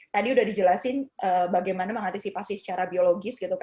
tadi sudah dijelaskan bagaimana mengantisipasi secara biologis